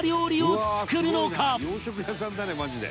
「洋食屋さんだねマジで。